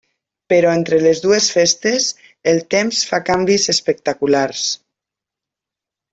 Però entre les dues festes el temps fa canvis espectaculars.